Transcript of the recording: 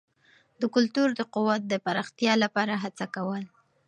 د کلتور د قوت د پراختیا لپاره هڅه کول.